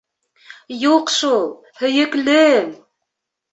Юҡ шул, һөйөклөм!